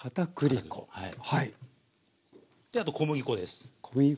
あと小麦粉です。